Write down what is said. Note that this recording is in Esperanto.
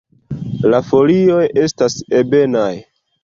La folioj estas ebenaj.